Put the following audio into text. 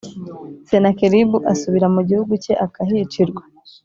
Senakeribu asubira mu gihugu cye akahicirwa